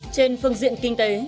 trên phương diện kinh tế